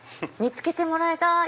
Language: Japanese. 見つけてもらえた！